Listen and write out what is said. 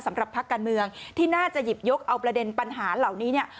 พักการเมืองที่น่าจะหยิบยกเอาประเด็นปัญหาเหล่านี้เนี่ย